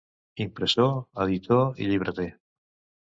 Impressor, editor i llibreter.